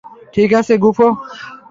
ঠিক আছে, গুঁফো।